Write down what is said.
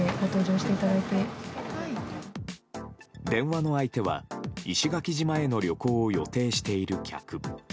電話の相手は、石垣島への旅行を予定している客。